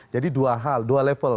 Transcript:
jadi dua hal dua level